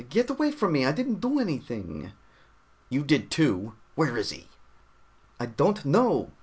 Get away from me! I didn't do anything!" "You did too! Where is he?" "I don't know."